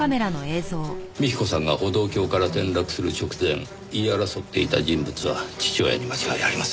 幹子さんが歩道橋から転落する直前言い争っていた人物は父親に間違いありません。